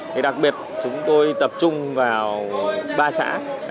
thì đặc biệt chúng tôi tập trung vào ba xã